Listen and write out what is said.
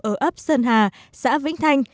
ở ấp sơn hà xã vĩnh thanh